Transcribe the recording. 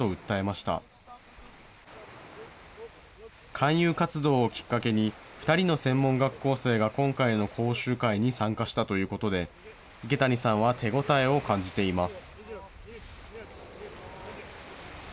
勧誘活動をきっかけに、２人の専門学校生が今回の講習会に参加したということで、池谷さんは手応えを感じています。